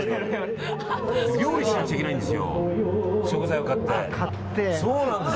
料理しなくちゃいけないんですよ、食材を買って。